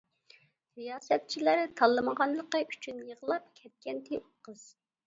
رىياسەتچىلەر تاللىمىغانلىقى ئۈچۈن يىغلاپ كەتكەنتى ئۇ قىز.